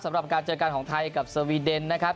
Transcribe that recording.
สำหรับการเจอกันของไทยกับสวีเดนนะครับ